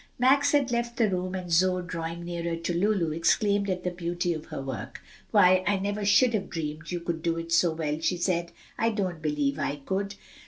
Max had left the room, and Zoe, drawing nearer to Lulu, exclaimed at the beauty of her work. "Why, I never should have dreamed you could do it so well!" she said. "I don't believe I could."